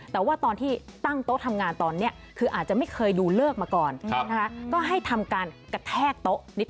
แต่ว่าตอนที่ตั้งโต๊ะทำงานตอนนี้คืออาจจะไม่เคยดูเลิกมาก่อนนะคะก็ให้ทำการกระแทกโต๊ะนิด